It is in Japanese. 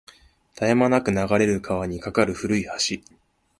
絶え間なく流れる川に架かる古い橋